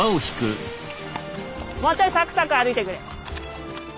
もうちょいサクサク歩いてくれ。